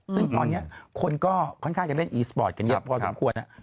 ซึ่งตอนนี้คนก็ค่อนข้างจะเล่นอีสปอร์ตกันเยอะพอสมควร